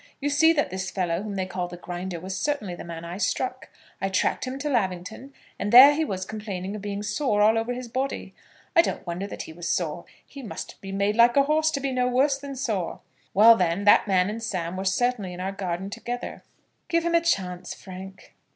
You see that this fellow whom they call the Grinder was certainly the man I struck. I tracked him to Lavington, and there he was complaining of being sore all over his body. I don't wonder that he was sore. He must be made like a horse to be no worse than sore. Well, then, that man and Sam were certainly in our garden together." "Give him a chance, Frank."